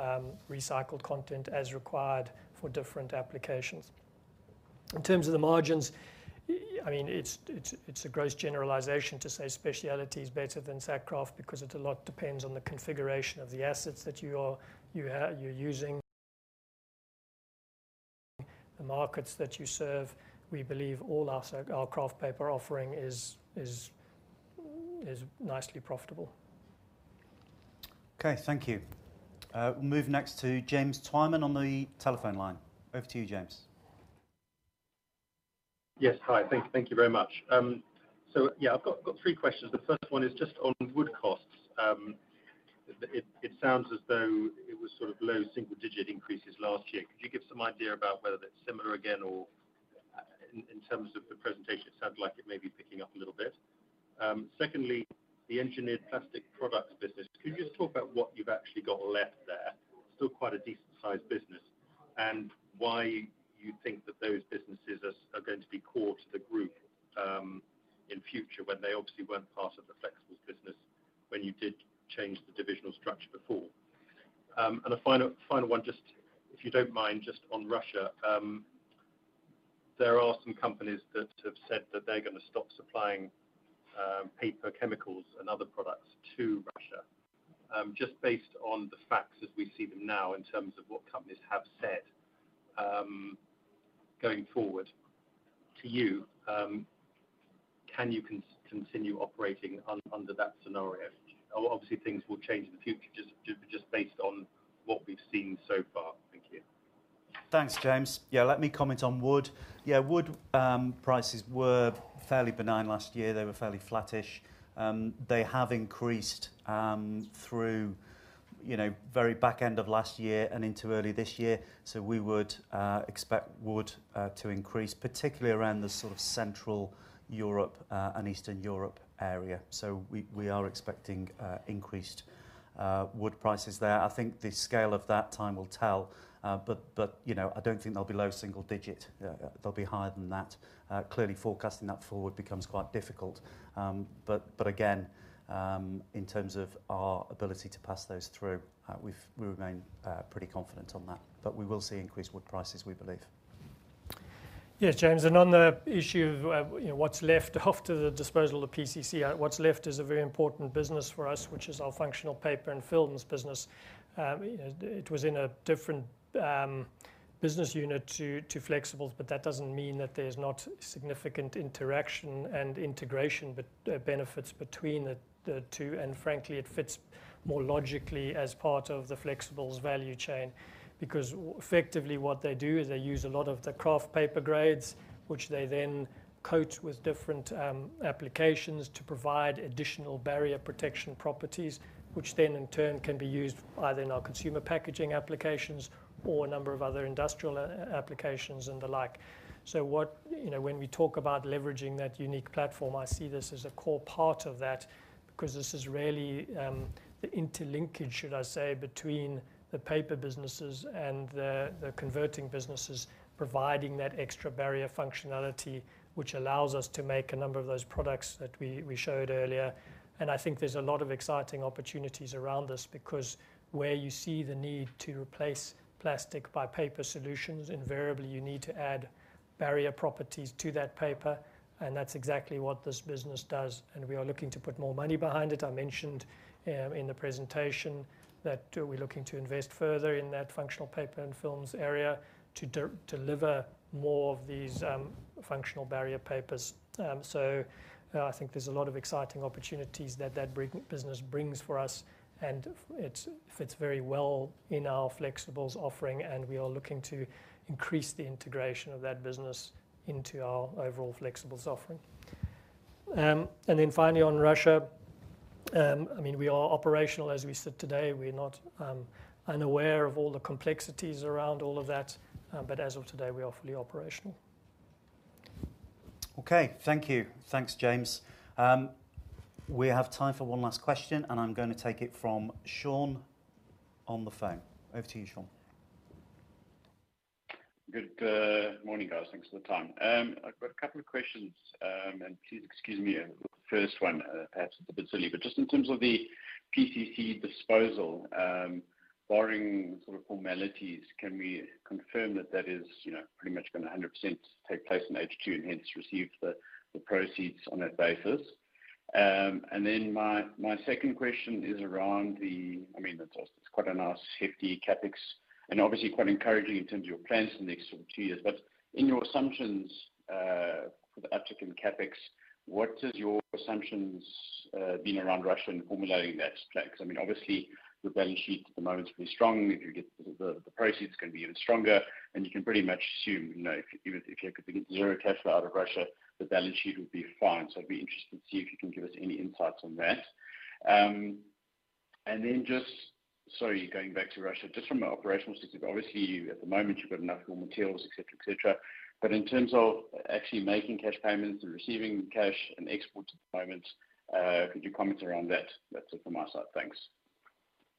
recycled content as required for different applications. In terms of the margins, I mean, it's a gross generalization to say specialty is better than sack kraft because it depends a lot on the configuration of the assets that you're using, the markets that you serve. We believe all our Kraft paper offering is nicely profitable. Okay. Thank you. We'll move next to James Twyman on the telephone line. Over to you, James. Yes. Hi. Thank you very much. So yeah, I've got three questions. The first one is just on wood costs. It sounds as though it was low single-digit increases last year. Could you give some idea about whether that's similar again or in terms of the presentation, it sounded like it may be picking up a little bit. Secondly, the engineered plastic products business, could you just talk about what you've actually got left there? Still quite a decent sized business. Why you think that those businesses are going to be core to the group, in future when they obviously weren't part of the flexibles business when you did change the divisional structure before? A final one, just if you don't mind, just on Russia, there are some companies that have said that they're gonna stop supplying paper chemicals and other products to Russia. Just based on the facts as we see them now in terms of what companies have said, going forward, to you, can you continue operating under that scenario? Obviously, things will change in the future just based on what we've seen so far. Thank you. Thanks, James. Yeah, let me comment on wood. Yeah, wood prices were fairly benign last year. They were fairly flattish. They have increased through, you know, very back end of last year and into early this year, so we would expect wood to increase, particularly around the Central Europe and Eastern Europe area. We are expecting increased wood prices there. I think the scale of that, time will tell, but, you know, I don't think they'll be low single digit. They'll be higher than that. Clearly forecasting that forward becomes quite difficult. Again, in terms of our ability to pass those through, we remain pretty confident on that. We will see increased wood prices, we believe. Yes, James, on the issue of you know, what's left after the disposal of PCC, what's left is a very important business for us, which is our functional paper and films business. You know, it was in a different business unit to Flexibles, but that doesn't mean that there's not significant interaction and integration benefits between the two. Frankly, it fits more logically as part of the Flexibles value chain because effectively what they do is they use a lot of the Kraft paper grades, which they then coat with different applications to provide additional barrier protection properties, which then in turn can be used either in our consumer packaging applications or a number of other industrial applications and the like. What, you know, when we talk about leveraging that unique platform, I see this as a core part of that because this is really the interlinkage, should I say, between the paper businesses and the converting businesses providing that extra barrier functionality which allows us to make a number of those products that we showed earlier. I think there's a lot of exciting opportunities around this because where you see the need to replace plastic by paper solutions, invariably you need to add barrier properties to that paper and that's exactly what this business does and we are looking to put more money behind it. I mentioned in the presentation that we're looking to invest further in that functional paper and films area to deliver more of these functional barrier papers. I think there's a lot of exciting opportunities that bring, business brings for us and it fits very well in our Flexibles offering and we are looking to increase the integration of that business into our overall Flexibles offering. Finally on Russia, I mean we are operational as we sit today. We're not unaware of all the complexities around all of that, but as of today we are fully operational. Okay. Thank you. Thanks, James. We have time for one last question and I'm gonna take it from Sean on the phone. Over to you, Sean. Good morning, guys. Thanks for the time. I've got a couple of questions. Please excuse me, the first one, perhaps it's a bit silly, but just in terms of the PCC disposal, barring formalities, can we confirm that that is you know pretty much gonna 100% take place in H2 and hence receive the proceeds on that basis? My second question is around the. I mean that's also, it's quite a nice hefty CapEx and obviously quite encouraging in terms of your plans for the next two years, but in your assumptions, for the uptick in CapEx, what has your assumptions been around Russia in formulating that plan? 'Cause I mean obviously the balance sheet at the moment is pretty strong. If you get the proceeds it's gonna be even stronger and you can pretty much assume you know if you could get zero cash flow out of Russia, the balance sheet would be fine. I'd be interested to see if you can give us any insights on that. Then just sorry going back to Russia, just from an operational perspective, obviously you at the moment you've got enough raw materials et cetera, et cetera, but in terms of actually making cash payments and receiving cash and exports at the moment could you comment around that? That's it from my side. Thanks.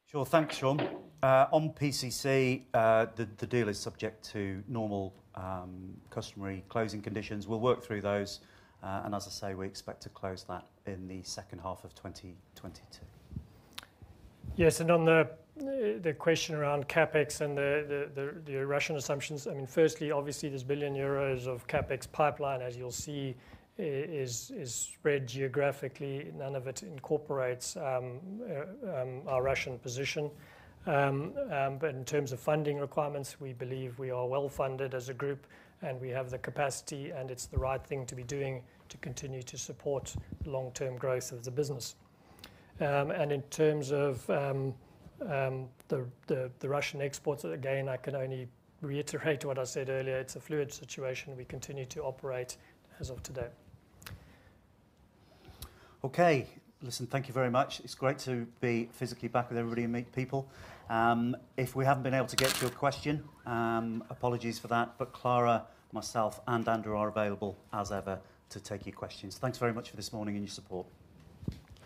Sure. Thanks, Sean. On PCC, the deal is subject to normal, customary closing conditions. We'll work through those, and as I say, we expect to close that in the second half of 2022. Yes, on the question around CapEx and the Russian assumptions, I mean, firstly, obviously this 1 billion euros of CapEx pipeline as you'll see is spread geographically. None of it incorporates our Russian position. In terms of funding requirements, we believe we are well funded as a group and we have the capacity and it's the right thing to be doing to continue to support long-term growth of the business. In terms of the Russian exports, again, I can only reiterate what I said earlier, it's a fluid situation. We continue to operate as of today. Okay. Listen, thank you very much. It's great to be physically back with everybody and meet people. If we haven't been able to get to your question, apologies for that, but Clara, myself, and Andrew are available as ever to take your questions. Thanks very much for this morning and your support.